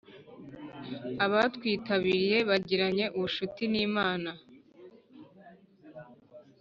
Ababwitabiriye bagiranye ubucuti n’Imana,